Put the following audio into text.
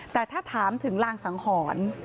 แต่ถ้าถามถึงลางสังหรณ์